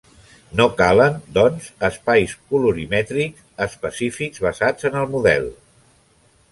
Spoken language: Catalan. No calen, doncs, espais colorimètrics específics basats en el model.